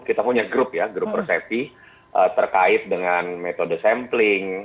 kita punya grup ya grup persepi terkait dengan metode sampling